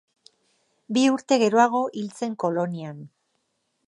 Bi urte geroago hil zen Kolonian.